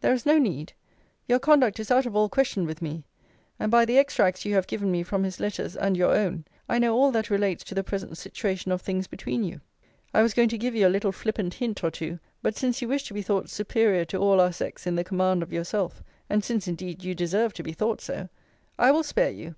There is no need. Your conduct is out of all question with me: and by the extracts you have given me from his letters and your own, I know all that relates to the present situation of things between you. I was going to give you a little flippant hint or two. But since you wish to be thought superior to all our sex in the command of yourself; and since indeed you deserve to be thought so; I will spare you.